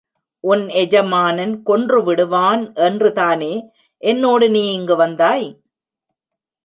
உன் எஜமானன் கொன்றுவிடுவான் என்று தானே என்னோடு நீ இங்கு வந்தாய்?